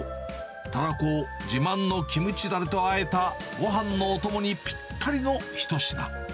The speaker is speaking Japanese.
タラコを自慢のキムチだれとあえたごはんのお供にぴったりの一品。